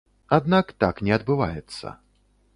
Аднак так не адбываецца.